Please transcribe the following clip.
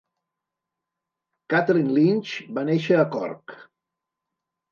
Kathleen Lynch va néixer a Cork.